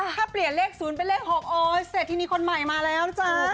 ถ้าเปลี่ยนเลข๐เป็นเลข๖โอ๊ยเศรษฐินีคนใหม่มาแล้วจ้า